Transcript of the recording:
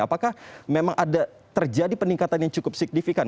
apakah memang ada terjadi peningkatan yang cukup signifikan